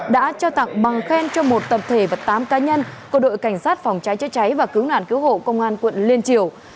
đã trao tặng bằng khen cho một tập thể và tám cá nhân của đội cảnh sát phòng cháy chữa cháy và cứu nạn cứu hộ công an quận liên triều